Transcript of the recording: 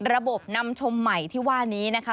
ระบบนำชมใหม่ที่ว่านี้นะคะ